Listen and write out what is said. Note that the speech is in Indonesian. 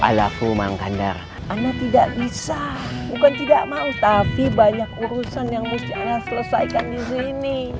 alafu mangkandar anda tidak bisa bukan tidak mau tapi banyak urusan yang mustiana selesaikan disini